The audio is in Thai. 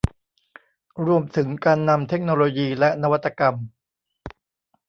รวมถึงการนำเทคโนโลยีและนวัตกรรม